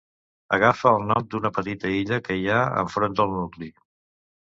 Agafa el nom d'una petita illa que hi ha enfront del nucli.